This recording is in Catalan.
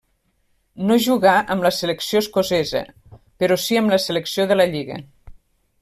No jugà amb la selecció escocesa però si amb la selecció de la lliga.